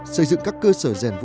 xây dựng các cơ sở rèn